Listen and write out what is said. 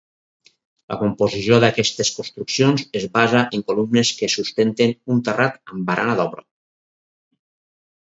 La composició d'aquestes construccions es basa en columnes que sustenten un terrat amb barana d'obra.